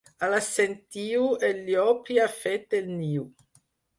A la Sentiu, el llop hi ha fet el niu.